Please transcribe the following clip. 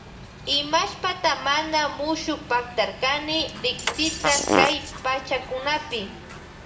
Imashpata mana mushukpaktarkani riksita kay pachakunapi.